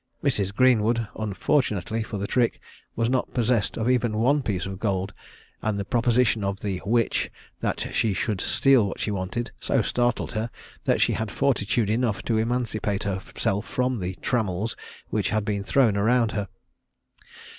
Mrs. Greenwood, unfortunately for the trick, was not possessed of even one piece of gold, and the proposition of the "witch," that she should steal what she wanted, so startled her, that she had fortitude enough to emancipate herself from the trammels which had been thrown round her.